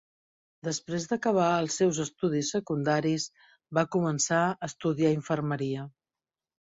Després d'acabar els seus estudis secundaris, va començar a estudiar infermeria.